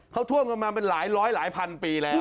เขาท่วมกันมาเป็นหลายร้อยหลายพันปีแล้ว